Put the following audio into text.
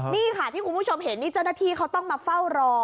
นี่ค่ะที่คุณผู้ชมเห็นนี่เจ้าหน้าที่เขาต้องมาเฝ้ารอ